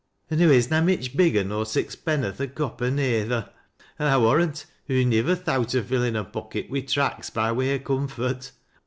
An' lioo is na mich bigger nor six penn'orth o' copper neyther. An' I warrant hoo nivver thowt o' fillin her pocket wi' tracks by way o' comfort.